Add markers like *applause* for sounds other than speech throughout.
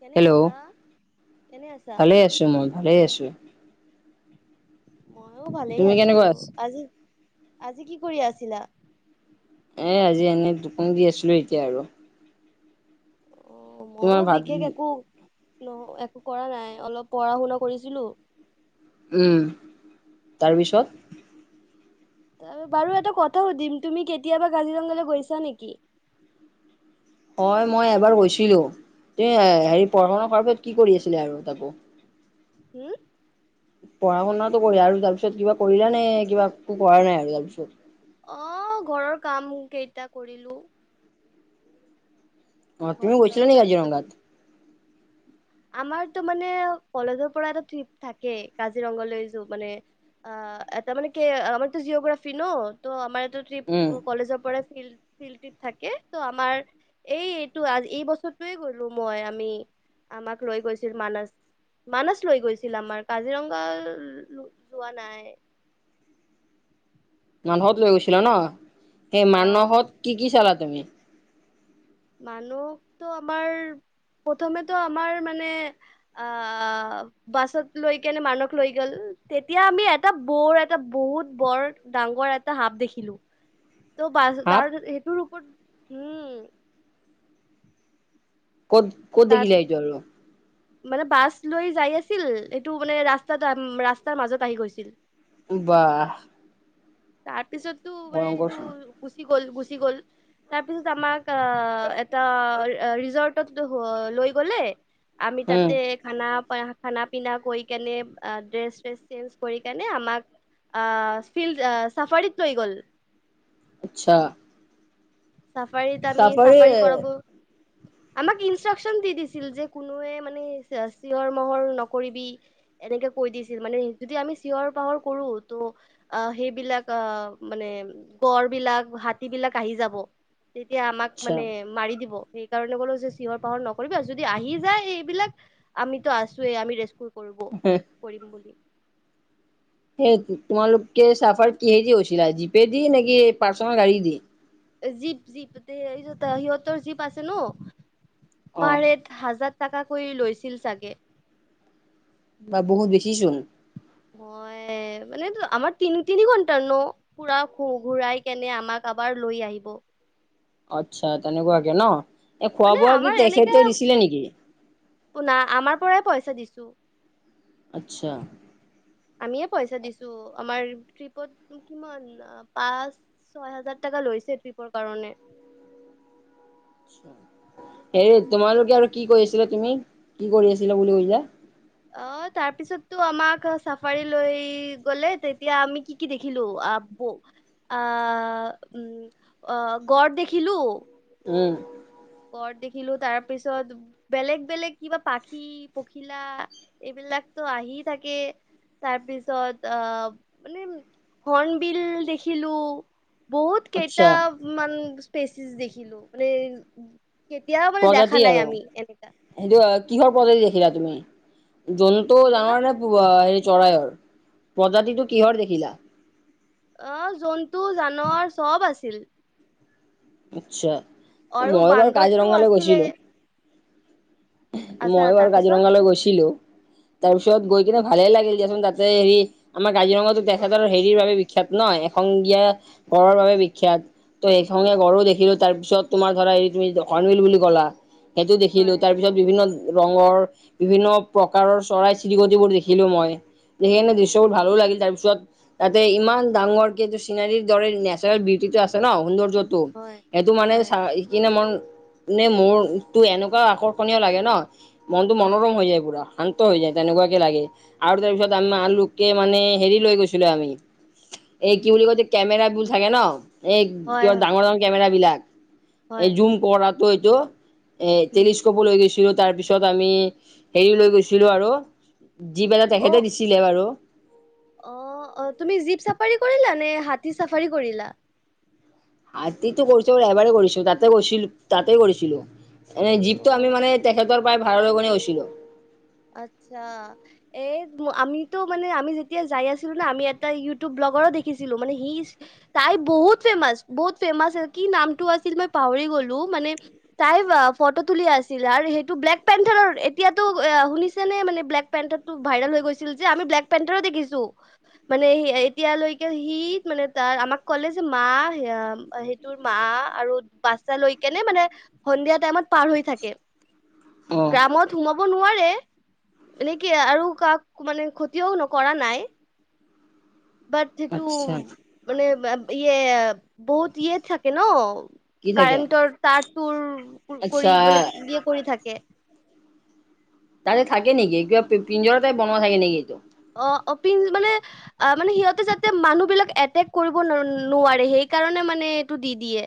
কেনে আছা? হেল্ল' কেনে আছা? ভালে আছো মই ভালে আছো মইয়ো ভালেই তুমি আছো কেনেকুৱা আছা? আজি আজি কি কৰি আছিলা। এ আজি এনে দুকান দি আছিলো এতিয়া আৰু অ তোমাৰ মইয়ো ভাত বিশেষ একো নহ একো কৰা নাই অলপ পঢ়া শুনা কৰিছিলো উম তাৰপিছত বাৰু এটা কথা সুধিম তুমি কেতিয়াবা কাজিৰঙালৈ গৈছা নেকি? হয় মই এবাৰ গৈছিলো তুমি হেৰি পঢ়া শুনা কৰাৰ পিছত কি কৰি আছিলে আৰু তাকো উম। পঢ়া শুনাটো কৰে আৰু তাৰ পিছত কিবা কৰিলা নে কিবাো কৰা নাই আৰু তাৰপিছত আহ ঘৰৰ কাম কেইটা কৰিলো অ তুমি গৈছা ন কাজিৰঙাত উম। আমাৰতো মানে কলেজৰ পৰা এটা ট্ৰিপ থাকে কাজিৰঙা লৈ যোৱা মানে অ তামানে কি আমাৰতটো জিঅগ্ৰাফি ন ত উম আমাৰ্ৰপ কলেজৰ পৰা ফিল ফিল্ডটিত থাকে ত আমাৰ এই এইটো আজ এই বছৰটোৱে গলো মই আমি আমাক লৈ গৈছিল মানে মানস লৈ গৈছিল আমাৰ কাজিৰঙা যোৱা নাই মানাহত লৈ গৈছিলা ন সেই অ' মানাহত কি কি চালা তুমি? মানুহটো আমাৰ প্ৰথমেতো আমাৰ মানে আহ বাছত লৈ কেনে মানুক লৈ গ'ল তেতিয়া আমি এটা বৰ এটা বহুত বৰ ডাঙৰ এটা সাপ দেখিলো। ত' সাপ তাৰ সেইটোৰ ওপৰত হম। ক'ত ক'ত তাৰ দেখিলে আহিটো আৰু মানে বাছ লৈ যাই আছিল এইটো মানে ৰাস্তাত ৰাস্তাৰ মাজত আহি গৈছিল বাহ তাৰপিছতো মানে ভয়ংকৰ সেইটো চোন গুচি গ'ল গুচি গ'ল তাৰপিছত আমাক অ এটা ৰিজৰ্টত লৈ গলে আমি উম তাতে খানা খানা পিনা কৰি কেনে ড্ৰেছ চেচ চেঞ্জ কৰি কেনে আমাক আহ ফিল্ড চাফাৰীত লৈ গল আচ্ছা চাফাৰীত আমি চাফাৰী কৰাব আমাক ইনষ্ট্ৰাকচন দি দিছিল যে কোনোৱে মানে চিঞৰ মহৰ নকৰিবি এনেকে কৈ দিছিল মানে যদি আমি চিঞৰ বাখৰ কৰো ত' অ সেইবিলাক আহ মানে গড় বিলাক হাতী বিলাক আহি যাব তেতিয়া আমাক আচ্ছা মানে মাৰি দিব সেইকাৰণে গলো যে চিঞৰ বাখৰ নকৰিব যদি আহি যায় এইবিলাক আমিতো আছোয়েই আমি ৰে কৰিব কৰিম বুলি? সেই তোমালোকে চাফাৰ কিহে দি গৈছিলা জিপে দি নেকি পাৰ্চনেল গাড়ী দি জীপ জীপ সিহঁতৰ জীপ আছে ন অ পাৰে হাজাৰ টাকাকৈ কৰি লৈছিল চাগে বা বহুত বেছি চোন অ মানে আমাৰ তিনি তিনি ঘন্টাৰ ন পুৰা ঘূৰাই কেনে আমাক এবাৰ লৈ আহিব আচ্ছা তেনেকুৱাকে ন এ খোৱা মানে বোৱা কি আমাৰ তেখেতে দিছিলে নেকি? অ নাই আমাৰ পৰাই পইচা দিছো। আচ্ছা। আমিয়ে পইছা দিশও অমৰ। লৈছে ট্ৰিপৰ কাৰণে,। হে তোমালোকে আৰু কি কৰি আছিলা তুমি কি কৰি আছিলা বুলি কৈ। অ তাৰ পিছতটো আমাক চাফাৰী লৈ গলে তেতিয়া আমি কি কি দেখিলো। আ আ উ অ গড় দেখিলো। উম। ঘৰত দেখিলো তাৰ পিছত বেলেগ বেলেগ কিবা পাখি পখিলা এইবিলাক। তো আহি থাকে। তাৰপিছত আহ মানে হৰ্ণবিল দেখিলো। বহুত আচ্ছা কেইটা মান স্পেচিছ দেখিলো মানে। কেতিয়াও মানে দেখা প্ৰজাতি নাই আৰু আমি এনেকা সেইটো কিহৰ প্ৰজাতি দে। দেখিলা তুমি জন্তু কি ক'লা ডাঙৰ নে হে। চৰায়ৰ প্ৰজাতিটো কিহৰ দেখিলা? অ জন্তু জানবৰ চব আছিল। আচ্ছা আৰু মই বাৰু বান্দৰটো কাজিৰঙালৈ আছিলে গৈছিলো। মইও বাৰু কাজিৰঙালৈ গৈছিলো। উ *unintelligible* তাৰপিছত গৈ কিনে ভালেই লাগিল দিয়াচোন। তা'তে হেৰি আমাৰ কাজিৰঙা তেখেতৰ হেৰিৰ বাবে বিখ্যাত ন'-। সংগীয়া কৰনয় বাবে বিখ্যাত। ত' সেইখন- ঘৰো দেখিলো তাৰ পিছত তোমাৰ ধৰা এই তুমিৰ্ণল বুলি ক'লা সেইটো দেখিলো। হয় তাৰ পিছত বিভিন্ন-। ৰঙৰ বিভিন্ন প্ৰকাৰৰ চৰাই চিৰিকটিবোৰ দেখিলো মই। সেই কাৰণে দৃশ্যবোৰ ভালো লাগিল। তাৰ পিছত তা'তে ইমান ডাঙৰ কে এইটো চিনাৰীৰ দৰে নেচাৰেল বিটি-। আছে নম' সৌন্দৰ্যতটো। হয় সেইটো মানে হয় চ সি কিনে মানে-। নে মোৰ তোৰ এনেকুৱা আকৰ্ষণীয় লাগে ন' মনতটো হয় মনোৰম হৈ যায় পুৰা। শান্ত হৈ যায় তেনেকুৱাকে লাগে। আৰু তাৰপিছত আমি আলুকে মানে হেৰি লৈ গৈছিলো আমি। এই কি বুলি কয় যে কেমেৰা বোৰ থাকে ন'। এই হয় কিবা হয় ডাঙৰ ডাঙৰ কেমেৰা বিলাক হয় এই জুম কৰাটো এইটো। এ উম টেলিস্কপো লৈ গৈছিলো। তাৰ পিছত আমি হেৰি লৈ গৈছিলো আৰু- যি পেলাই অ তেখেতে দিছিলে বাৰু। অ অ তুমি জীপ চাফাৰী কৰিলা নে হাতী চাফাৰী কৰিলা। হাতীতে কৰিছো এবাৰেই কৰিছো তা'তে কৰিছিলো তা'তে কৰিছিলো। এনেই অ জীপটো আমি মানে তেখেতৰ পৰাই ভাড়া লৈ গৈ গৈছিলো। আচ্ছা। আমিতো মানে আমি যেতিয়া যায় আছিলো ন' আমি এ'। অজগৰ দেখিছিলো। তাই বহুত ফেমাচ বহুত ফেমাচ কি নামটো আছিল মই পাহৰি গলো। মানে তাই ফটো টোলি আছিল আৰু সেইটো বেলেগ টাইম ঠাইৰ এতিয়া টো এ'। শুনিছে নে মানে ব্লেকবেল্টো ভাইৰেল হৈ গৈছিল যে আমি ব্লেকবেল্টো দেখিছো। মানে- তেতিয়া লৈকে সি মানে তাৰ আমাক ক'লে যে মা' সেইটোৰ মা' আৰু বাটচা-। লৈ কে নে মানে সন্ধিয়া টাইমত পাৰ হৈ থাকে। অ গ্ৰামত সোমাব নোৱাৰে। এনেকে আৰু কাকো মানে ক্ষতিও কৰা নাই। বাট সেইটো আচ্ছা মানে ইয়ে বহুত ইয়ে থাকে ন'। কি থাকে কাৰেণ্টৰ তাৰ তুৰ আচ্ছা কৰি মানে হেৰি কৰি থাকে। তা'তে থাকে নেকি কিবা পিঞ্জৰতে বনোৱা থাকে নেকি এইটো? অঁ অপিল মানে অ মানে সিহঁতে যাতে মানুহ বিলাক এটেক কৰিব নোৱাৰে। সেইকাৰণে মানে এইটো দি দিয়ে।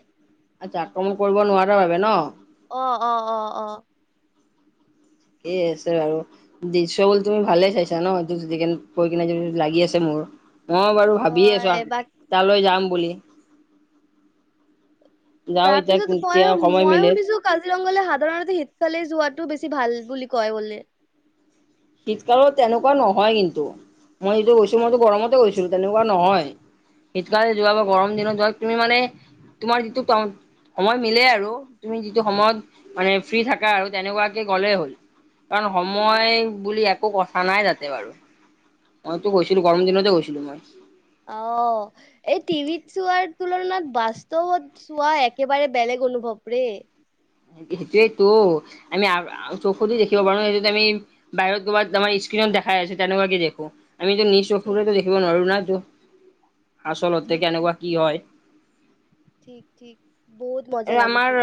আচ্ছা আক্ৰমণ কৰিব নোৱাৰাৰ বাবে ন'? অ অ অ। সেই আছে বাৰু দৃশ্য বোৰ তুমি ভালেই চাইছা ন' যেনেকে লাগি আছে মোৰ। মই বাৰু ভাবিয়ে হয় আছো বা তালৈ যাম বুলি। যাওঁ এতিয়া তাৰপিছত মই কেতিয়া সময় মই মিলে। শুনিছো কালি- চিলঙলৈ সাধাৰণতে শীতকালি যোৱা টো বেছি ভাল বুলি কয় বোলে। শীতকালত তেনেকুৱা নহয় কিন্তু, মই এইটো গৈছো মইতো আচ্ছা গৰমতে গৈছো। তেনেকুৱা নহয়। শীতকালি যোৱা, অ'। গৰম দিনত যোৱা তুমি মানে- তোমাৰ যিটো টাইম- সময় মিলেই আৰু তুমি যিটো সময়ত মানে ফ্ৰী থাকা আৰু তেনেকুৱাকে গ'লেই হ'ল। কাৰণ সময় বুলি একো কথা নাই তা'তে বাৰু। মইতো গৈছিলো, গৰম দিনতে হয় গৈছিলো মই। যোৱাৰ তুলনাত বাস্তৱত চোৱা একেবাৰে বেলেগ অনুভৱ দেই। সেইটোয়ে তো আমি খোধেই দেখিব পাৰো ন' সেইটো আমি বাহিৰত কৰ'বাত আমি- দেখা আছে তেনেকুৱা কে দেখো। আমিতো নিছ ঠিক চকুৰে দেখিব পাৰো না ত' আচলতে ঠিক ঠিক কেনেকুৱা কি হয়। ঠিক ঠিক বহুত মজা লাগিছিল।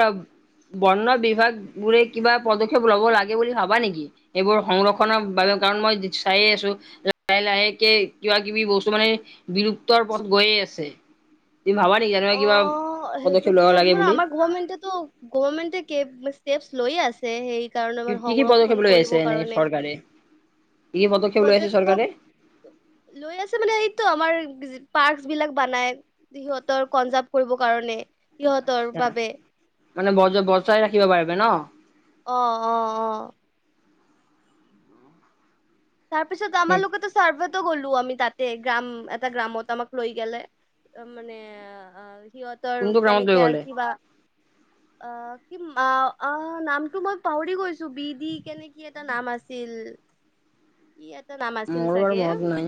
বন বিভাগ বোৰে কিবা পদক্ষেপ ল'ব লাগে বুলি ভাবা নেকি এইবোৰ সংৰক্ষনৰ বাবে? কাৰণ মই চাই আছো লাহে লাহে কে কিবা-কিবি বস্তু মানে বিলুপ্তৰ পথত গৈয়ে আছে। উম' তুমি ভাবা নেকি এনেকুৱা কিবা পদক্ষেপ ল'ব লাগে বুলি? আমাৰ গমেন্টো গভমেন্টে ষ্টেপ লৈয়ে আছে। সেই- কাৰণে কি আমাৰ কি সংৰক্ষণ পদক্ষেপ লৈ আছে কৰিবৰ এনে কাৰণে। চৰকাৰে? কি কি লৈ আছে পদক্ষেপ চৰকাৰে? লৈ আছে মানে এইটো আমাৰ পাচ বিলাক বনাই। সিহঁতৰ কনজাৰ্ভ কৰিব কাৰণে সিহঁতৰ আচ্ছা বাবে। মানে বজ বজাই ৰাখিব পাৰিব ন? অ অ অ। তাৰপিছত সেই আমালোকেতো ছাৰ্ভেতো গলো আমি। তাতে গ্ৰাম এটা গ্ৰামত আমাক লৈ গেলে, মানে সিহঁতৰ কোনটো গ্ৰামত লৈ কেনেকে গ'লে? কিবা অ কি অ নামটো মই পাহৰি গৈছো বি দি কেনে কি এটা নাম আছি- ল। ই এটা নাম আছিল মোৰো বাৰু চাগে মনত নাই।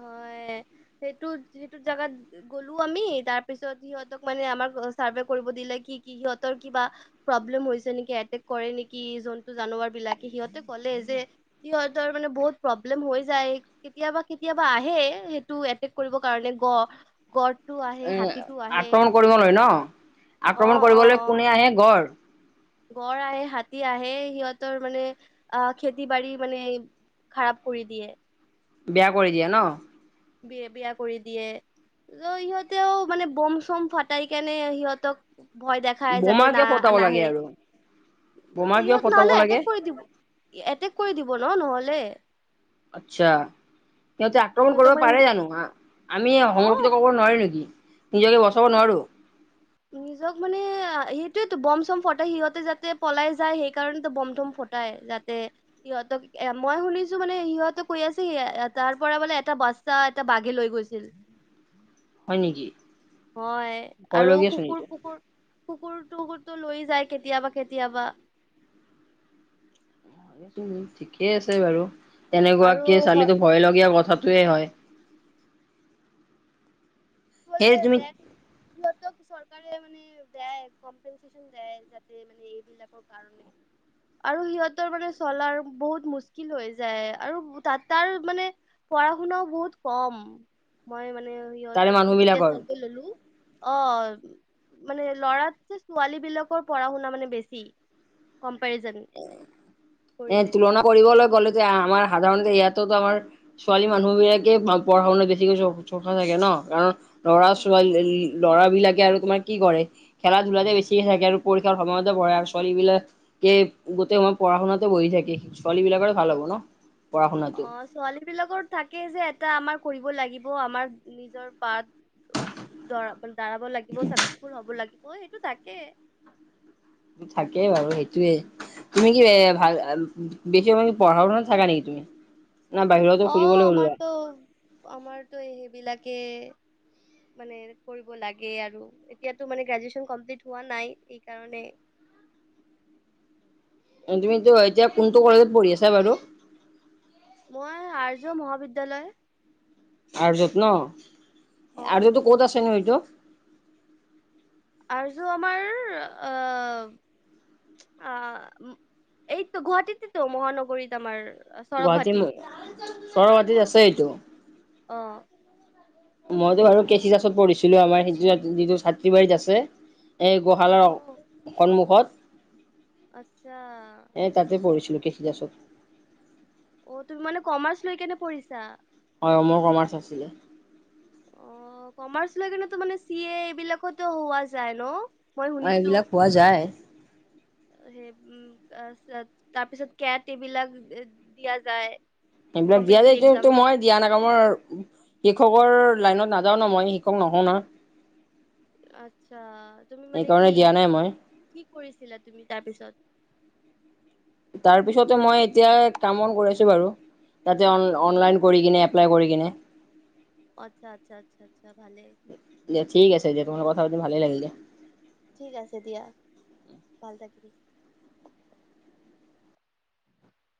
হয়। সেইটো সেইটো জোগাত গ'লো আমি। তাৰ পিছত সিহঁতক মানে আমাক চাৰ্ভে কৰিব দিলে কি, কি কি সিহতৰ কিবা প্ৰব্লেম হৈছে নেকি, এটেক কৰে নেকি, জন্তু জানুৱাৰ বিলাকে। সিহঁতে ক'লে যে, সিহতৰ মানে বহুত প্ৰব্লেম হৈ যায়। কেতিয়াবা কেতিয়াবা আহে সেইটো এটেক কৰিব কাৰণে। গড গ় *unintelligible* এ আক্ৰমণ কৰিবলৈ ন, অ আক্ৰমণ অ কৰিবলৈ অ কোনে আহে গড়? গড় আহে, হাতী আহে সিহঁতৰ মানে অ খেতি বাৰী মানে খাৰাপ কৰি দিয়ে। বেয়া কৰি দিয়া ন? বিয় বেয়া কৰি দিয়ে। ৰ সিহঁতেও মানে বম চম ফটাই কেনে সিহঁতক ভয় দেখাই, বোমা যাতে না কিয় ফটাব লাগে নাহে। আৰু বোমা কিয় ইহঁত ফটাব নহলে লাগে এটেক কৰি দিব। এটেক কৰি দিব ন নহলে। আচ্ছা। সিহঁতে আক্ৰমণ সিহঁতক কৰিব মানে পাৰে জানো। আমি অ সংৰক্ষিত কৰিব নোৱাৰি নেকি? নিজকে বচাব নোৱাৰো? সেইটোৱেটো বম চম ফটাই সিহঁতে যাতে পলাই যায়, সেই কাৰণেতো বম ধম ফটাই যাতে সিহঁত এ মই শুনিছো মানে, সিহঁতে কৈ আছে তাৰ পৰা মানে এটা বস্তা এটা বাঘে লৈ গৈছিল। উম *unintelligible* হয় নেকি? হয় ভয় আৰু লগীয়া চোন কুকুৰ কুকুৰ কুকুৰ। টো লৈ যায় কেতিয়াবা কেতিয়াবা। স ঠিকেই আছে বাৰু তেনেকুৱাকে আৰু ছোৱালীতো ভয় লগীয়া কথা। য় হয়। সেই কি তুমি দে সিহত চৰকাৰে মানে দে। কমেনন যাতে মানে এইবিলাকৰ কাৰণে। আৰু সিহঁতৰ মানে চলাৰ বহুত মুচকিল হৈ যায় আৰু তাত তাৰ মানে। পঢ়া শুনাও বহুত কম। মই মানে তাৰে সিহঁতক মানুহ মানে যেতিয়া বিলাকৰ চাৰে ললো। অ। মানে ল'ৰা যে ছোৱালী বিলাকৰ পঢ়া শুনা মানে বেছি কম। এ এ তুলনা কৰিবলৈ গ'লে যে আমাৰ সাধাৰণতে ইয়াতোতো আমাৰ ছোৱালী মানুহ বিলাকে পঢ়া শুনাত বেছিকৈ চা থাকে ন? কাৰণ লৰা ছোৱালী। ল'ৰাবিলাকে আৰু তোমাৰ কি কৰে, খেলা ধূলাতে বেছিকে থাকে আৰু পৰীক্ষাৰ সময়তে পঢ়ে আৰু ছোৱালী বিলাক- কে গোটেই মাহ পঢ়া শুনাতে বহি থাকে। ছোৱালী বিলাকৰ ভাল হব ন। পঢ়া শুনাটো অ ছোৱালী বিলাকৰ থাকে যে এটা আমাৰ কৰিব লাগিব, আমাৰ নিজৰ। দৰাব লাগিব চাকচেচফুল হব লাগিব। অ সেইটো তাকে। থাকেই বাৰু সেইটোয়ে। তুমি কি ভাল বেছি সময় পঢ়া শুনাতে থাকা নেকি তুমি? না বাহিৰতো অ ফুৰিবলৈ ওলোৱা আমাৰতো আমাৰতো সেইবিলাকে মানে কৰিব লাগে আৰু এতিয়াতটো মান গ্ৰেজুৱচন কমপ্লিট হোৱা নাই এই কাৰণে *inaudible* তুমিতো এতিয়া কোনটো কলেজত পঢ়ি আছা বাৰু। মই আৰ্য মহাবিদ্যালয়। আৰ্যত ন, অ আৰ্যতো ক'ত আছে নো এইটো। আৰ্য্য আমাৰ আহ অ এইটো গুৱাহাটীতেতো মহানগৰীত আমাৰ। চৰব গুৱাহাটী ভাটি ম সৰুৱাহাটীত আছ এটো। আহ মইতো বাৰু কেষি দাসত পঢ়িছিলো আমাৰ স যিটো ছাত্ৰীবাৰীত আছে। এই অ গোহালৰ সন্মুখত। আচ্ছা। কেষি দাসত। অ তুমি মানে কমাৰ্চ লৈ কিনে পঢ়িছা। অ মই কমাৰ্চ। অ কমাৰ্চ লৈ কিনে মানে চি এ এইবিলাকত হোৱা যায় ন। মই অ শুনিছো এইবিলাক পোৱা যায়। সেই উম তাৰত তাৰ পিছত কেট বিলাক দিয়া যায়। সেইবিলাক দিয়া কম্পিটিটিভ এক্সাম মই দিয়া নাই ক মাৰ শিক্ষকৰ লাইনত নাযাও ন মই শিক্ষক নহ ন। আচ্ছা তুমি মানে সেইকাৰণে কি? দিয়া নাই মই কি কৰিছিলা তুমি তাৰপিছত? তাৰ পিছতে মই এতিয়া কাম বন কৰি আছো বাৰু তাতে অ অনলাইন কৰি কিনে এপ্লাই কৰি। কিনে। আচ্ছা, আচ্ছা, আচ্ছা, আচ্ছা, ভালে। দিয়া ঠিক আছে দিয়া তোমাৰ লগত কথা পাতি ভালেই লাগিল দিয়া ঠিক আছে দিয়া ভাল থাকিবি।